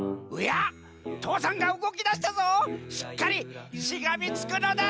父山がうごきだしたぞしっかりしがみつくのだ！